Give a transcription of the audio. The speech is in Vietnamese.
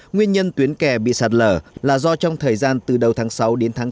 nguyên nhân tuyến kè bị sạt lở là do trong thời gian từ đầu tháng chín đến tháng một mươi